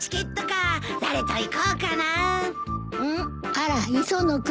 あら磯野君。